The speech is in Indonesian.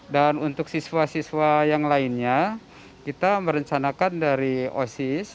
untuk siswa siswa yang lainnya kita merencanakan dari osis